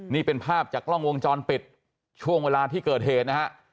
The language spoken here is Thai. นี่เป็นภาพจากกล้องวงจรปิดช่วงเวลาที่เกิดเหตุนะฮะ